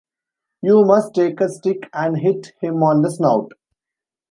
You must take a stick and hit him on the snout!